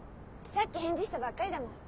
さっき返事したばっかりだもん。